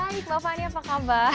hai bapak ani apa kabar